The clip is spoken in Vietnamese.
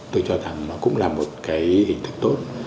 tôi cho rằng nó cũng là một cái hình thức tốt